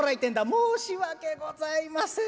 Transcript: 「申し訳ございません。